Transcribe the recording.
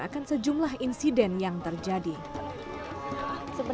akan sejumlah insiden yang akan berlaku di turki ini